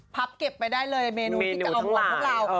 พับเก็บไปได้เลยเมนูที่จะออมของเลย